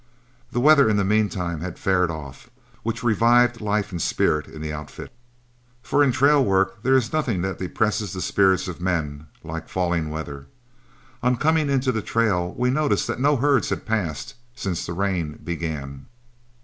The weather in the mean time had faired off, which revived life and spirit in the outfit, for in trail work there is nothing that depresses the spirits of men like falling weather. On coming into the trail, we noticed that no herds had passed since the rain began.